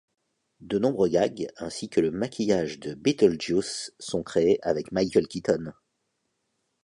De nombreux gags, ainsi que le maquillage de Beetlejuice, sont créés avec Michael Keaton.